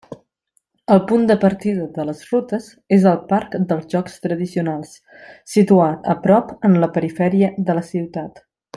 El punt de partida de les rutes és el parc dels Jocs Tradicionals, situat a prop en la perifèria de la ciutat.